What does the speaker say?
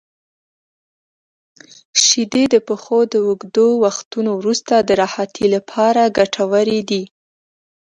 • شیدې د پښو د اوږدو وختونو وروسته د راحتۍ لپاره ګټورې دي.